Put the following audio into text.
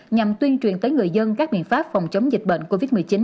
nhằm tuyên truyền tới người dân các biện pháp phòng chống dịch bệnh covid một mươi chín